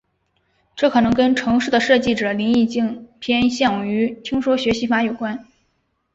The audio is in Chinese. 这可能跟程式的设计者林宜敬偏向于听说学习法有关。